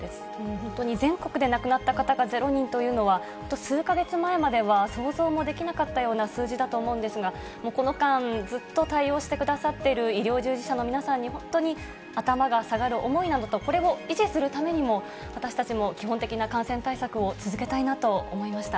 本当に全国で亡くなった方が０人というのは、本当、数か月前までは想像もできなかったような数字だと思うんですが、もうこの間、ずっと対応してくださっている医療従事者の皆さんに、本当に頭が下がる思いなのと、これを維持するためにも、私たちも基本的な感染対策を続けたいなと思いました。